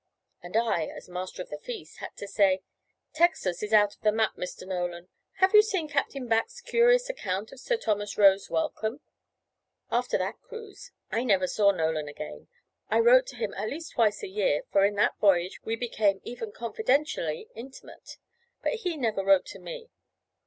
And I, as master of the feast, had to say: "Texas is out of the map, Mr. Nolan. Have you seen Captain Back's curious account of Sir Thomas Roe's Welcome?" After that cruise I never saw Nolan again. I wrote to him at least twice a year, for in that voyage we became even confidentially intimate; but he never wrote to me.